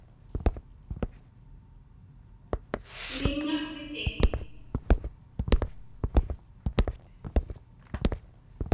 Sumiñŋaqpisi?